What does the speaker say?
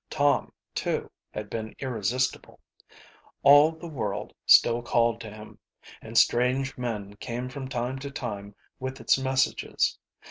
Tom, too, had been irresistible. All the world still called to him, and strange men came from time to time with its messages.